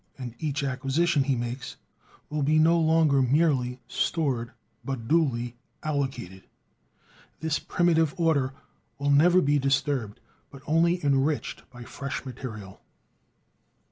And each acquisition he makes will be no longer merely "stored," but duly "allocated." This primitive order will never be disturbed, but only enriched by fresh material.